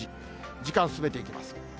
時間進めていきます。